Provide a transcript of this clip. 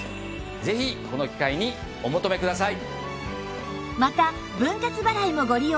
ぜひこの機会にお求めください。